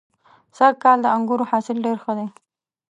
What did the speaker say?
سږ کال د انګورو حاصل ډېر ښه دی.